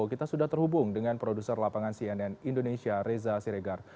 kita sudah terhubung dengan produser lapangan cnn indonesia reza siregar